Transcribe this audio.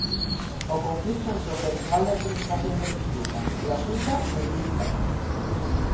O conflito entre o persoal da Administración de Xustiza e a Xunta enquístase.